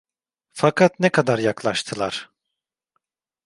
Fakat ne kadar yaklaştılar?